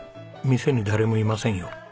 店に誰もいませんよ。